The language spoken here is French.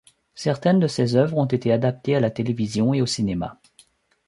Certaines de ses œuvres ont été adaptées à la télévision et au cinéma.